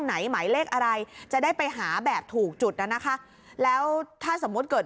หมายเลขอะไรจะได้ไปหาแบบถูกจุดน่ะนะคะแล้วถ้าสมมุติเกิด